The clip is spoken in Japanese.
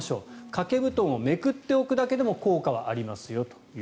掛け布団をめくっておくだけでも効果はありますよと。